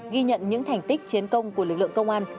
ghi nhận những thành tích chiến công của lực lượng công an